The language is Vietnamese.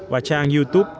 và trang youtube